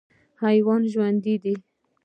حیوان ژوندی دی.